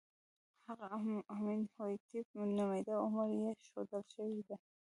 هغه امین هوټېپ نومېده او عمر یې ښودل شوی دی.